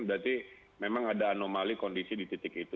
berarti memang ada anomali kondisi di titik itu